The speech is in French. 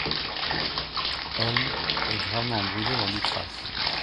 Holm est gravement brûlé lors du crash.